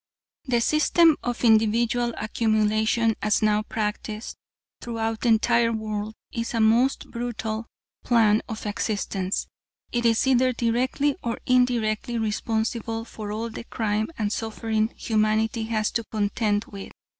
"The system of individual accumulation as now practiced throughout the entire world is a most brutal plan of existence. It is either directly or indirectly responsible for all the crime and suffering humanity has to contend with.